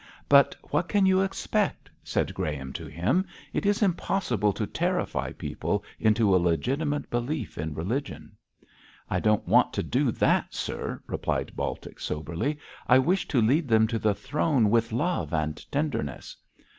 'But what can you expect?' said Graham, to him. 'It is impossible to terrify people into a legitimate belief in religion.' 'I don't want to do that, sir,' replied Baltic, soberly. 'I wish to lead them to the Throne with love and tenderness.'